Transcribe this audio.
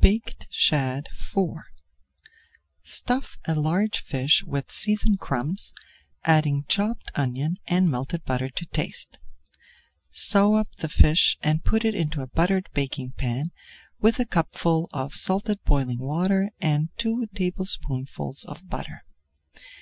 [Page 327] BAKED SHAD IV Stuff a large fish with seasoned crumbs, adding chopped onion and melted butter to taste. Sew up the fish and put into a buttered baking pan with a cupful of salted boiling water and two tablespoonfuls of butter.